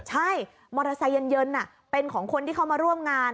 ใช่มอเตอร์ไซค์เย็นเป็นของคนที่เขามาร่วมงาน